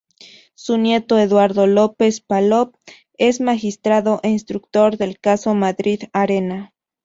Su nieto, Eduardo López-Palop, es magistrado e instructor del caso Madrid Arena.